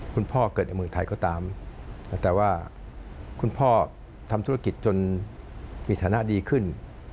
พ่อเกิดในเมืองไทยก็ตามแต่ว่าคุณพ่อทำธุรกิจจนมีฐานะดีขึ้น